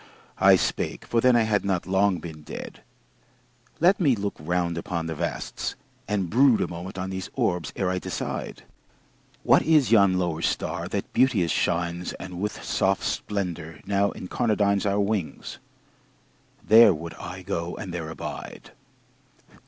I spake for then I had not long been dead "Let me look round upon the vasts, and brood A moment on these orbs ere I decide ... What is yon lower star that beauteous shines And with soft splendor now incarnadines Our wings? There would I go and there abide."